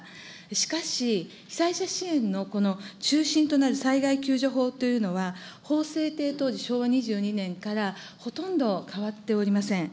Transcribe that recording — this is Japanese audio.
しかし、被災者支援のこの中心となる災害救助法というのは、法制定と昭和２４年からほとんど変わっておりません。